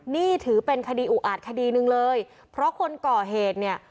นี่ถือเป็นคดีอุอาจคดีหนึ่งเลยเพราะคนก่อเหตุเนี่ย